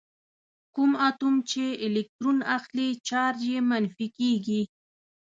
کوم اتوم چې الکترون اخلي چارج یې منفي کیږي.